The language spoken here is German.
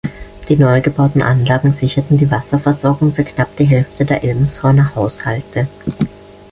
Die neu gebauten Anlagen sicherten die Wasserversorgung für knapp die Hälfte der Elmshorner Haushalte.